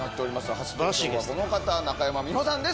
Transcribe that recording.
初登場はこの方中山美穂さんです。